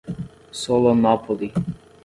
Solonópole